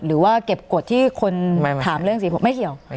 หรือว่าเก็บกฎที่คนถามเรื่องสีผมไม่เกี่ยว